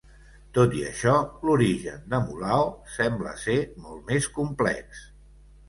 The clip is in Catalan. Tot i això, l'origen de Mulao sembla ser molt més complex.